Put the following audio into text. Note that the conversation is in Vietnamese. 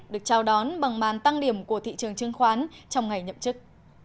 được trao đón bằng màn tăng điểm của thị trường chứng khoán trong ngày nhậm chức